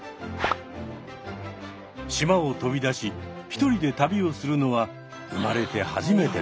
島を飛び出し一人で旅をするのは生まれて初めてです。